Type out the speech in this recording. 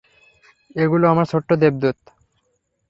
এগুলো আমার ছোট্ট দেবদূত।